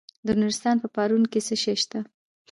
د نورستان په پارون کې څه شی شته؟